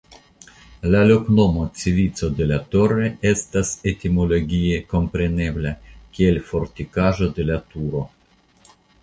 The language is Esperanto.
La loknomo "Cevico de la Torre" estas etimologie komprenebla kiel Fortikaĵo de la Turo.